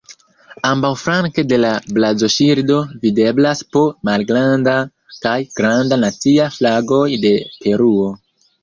Ambaŭflanke de la blazonŝildo videblas po malgranda kaj granda nacia flagoj de Peruo.